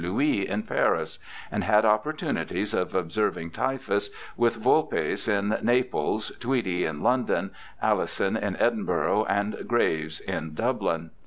Louis, in Paris, and had opportunities of observing typhus with Vulpes in Naples, Tweedie in London, Alison in Edinburgh, and Graves in Dublin.